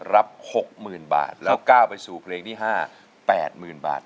รับ๖๐๐๐บาทแล้วก้าวไปสู่เพลงที่๕๘๐๐๐บาท